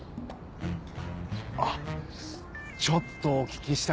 あっちょっとお聞きしたいんですけど。